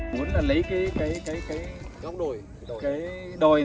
muốn lấy cái đồi này này nó làm cái không gian